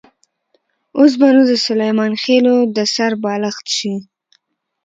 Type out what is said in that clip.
اوس به نو د سلیمان خېلو د سر بالښت شي.